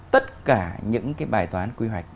tất cả những cái bài toán quy hoạch